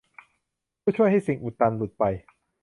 เพื่อช่วยให้สิ่งอุดตันหลุดไป